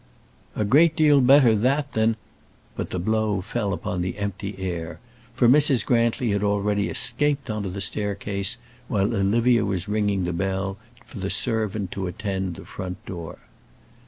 "A great deal better that than " But the blow fell upon the empty air; for Mrs. Grantly had already escaped on to the staircase while Olivia was ringing the bell for the servant to attend the front door.